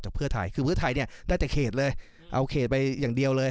จากเพื่อไทยได้แต่เขตเลยเอาเขตไปอย่างเดียวเลย